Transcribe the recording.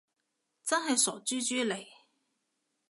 真係傻豬豬嚟